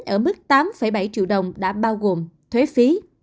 ở mức tám bảy triệu đồng đã bao gồm thuế phí